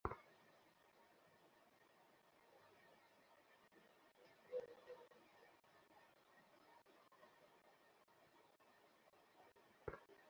আরে ভয়ঙ্কর রকমের অদ্ভুত ছিল।